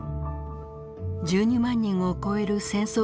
１２万人を超える戦争